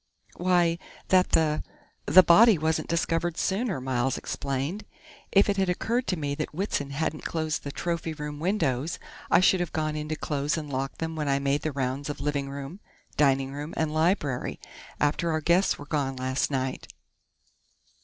"Why, that the the body wasn't discovered sooner," Miles explained. "If it had occurred to me that Whitson hadn't closed the trophy room windows, I should have gone in to close and lock them when I made the rounds of living room, dining room and library, after our guests were gone last night."